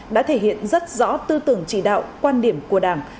đã thể hiện rất rõ tư tưởng chỉ đạo quan điểm của đảng